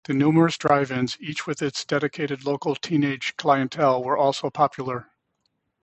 The numerous drive-ins, each with its dedicated local teenaged clientele, were also popular.